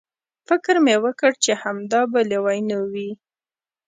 فکر مې وکړ چې همدا به لویینو وي.